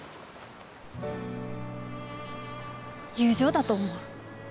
友情だと思う。